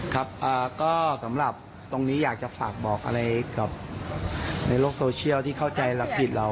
ครับก็สำหรับตรงนี้อยากจะฝากบอกอะไรกับในโลกโซเชียลที่เข้าใจรับผิดเรา